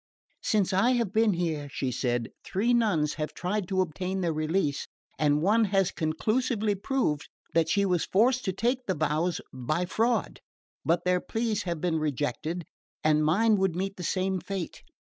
"Since I have been here," she said, "three nuns have tried to obtain their release, and one has conclusively proved that she was forced to take the vows by fraud; but their pleas have been rejected, and mine would meet the same fate.